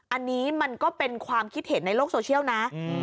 อันนี้มันก็เป็นความคิดเห็นในโลกโซเชียลนะ